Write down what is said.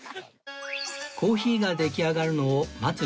コーヒーが出来上がるのを待つ一同